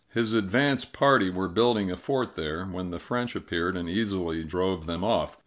His advance party were building a fort there, when the French appeared and easily drove them off.